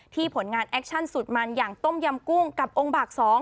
ผลงานแอคชั่นสุดมันอย่างต้มยำกุ้งกับองค์บาก๒